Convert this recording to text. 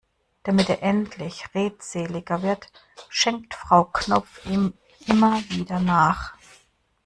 Damit er endlich redseliger wird, schenkt Frau Knopf ihm immer wieder nach.